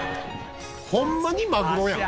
「ホンマにマグロやん」